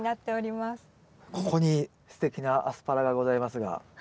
ここにすてきなアスパラがございますがこれは？